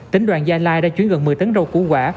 tỉnh đoàn gia lai đã chuyển gần một mươi tấn rau củ quả